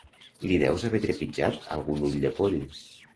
Li deus haver trepitjat algun ull de poll.